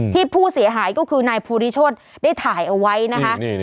ที่ผู้เสียหายก็คือนายภูริโชธได้ถ่ายเอาไว้นะคะ